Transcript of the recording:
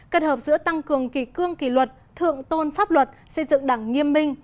kết hợp giữa tăng cường kỳ cương kỳ luật thượng tôn pháp luật xây dựng đảng nghiêm minh